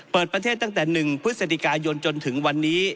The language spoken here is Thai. เปิดประเทศตั้งแต่๑พฤศจิกายนจนถึงวันนี้